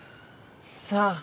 さあ。